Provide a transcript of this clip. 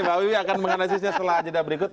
pak wibi akan mengakuisisnya setelah ajadah berikut